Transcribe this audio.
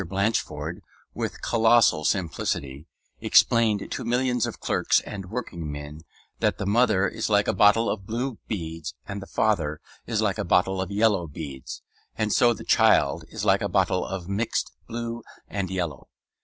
Blatchford, with colossal simplicity, explained to millions of clerks and workingmen that the mother is like a bottle of blue beads and the father is like a bottle of yellow beads; and so the child is like a bottle of mixed blue beads and yellow.